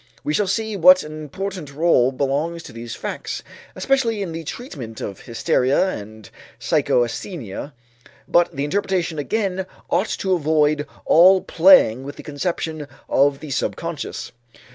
We shall see what an important rôle belongs to these facts, especially in the treatment of hysteria and psychasthenia, but the interpretation again ought to avoid all playing with the conception of the subconscious.